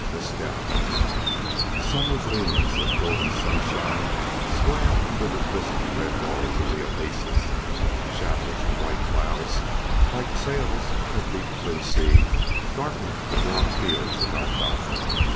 XXI. MESCAL SUMMER gleams of golden sunshine swam under the glistening red walls of the oasis. Shadows from white clouds, like sails on a deep blue sea, darkened the broad fields of alfalfa.